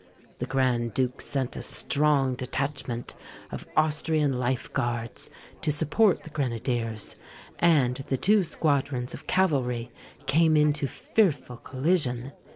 The Grand Duke sent a strong detachment of Austrian Life Guards to support the grenadiers; and the two squadrons of cavalry came into fearful collision.